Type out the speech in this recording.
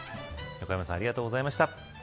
横山さんありがとうございました。